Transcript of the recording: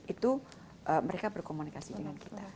itu mereka berkomunikasi dengan kita